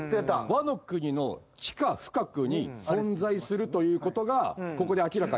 ワノ国の地下深くに存在するということがここで明らかになりました。